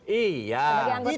sebagai anggota partai koalisi